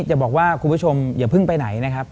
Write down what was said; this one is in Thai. จะบอกว่าคุณผู้ชมอย่าเพิ่งไปไหนนะครับ